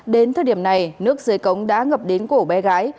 đến thời điểm này nước dưới cống đã ngập đến cổ bé gái